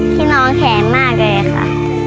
ที่นอนแข็งมากเลยค่ะ